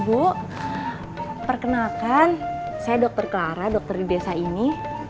bu perkenalkan saya dokter clara dokter di desa ini